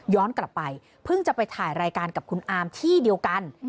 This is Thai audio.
กลับไปเพิ่งจะไปถ่ายรายการกับคุณอามที่เดียวกัน